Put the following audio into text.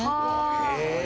へえ。